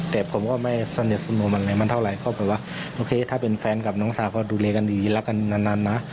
แต่ผมก็ไม่สนิทสนมอะไรมันเท่าไหร่ก็แบบว่าโอเคถ้าเป็นแฟนกับน้องสาวก็ดูแลกันดีรักกันนานนะ